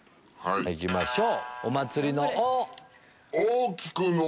行きましょう！